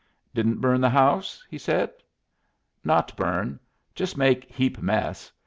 "Didn't burn the house?" he said. "Not burn. Just make heap mess.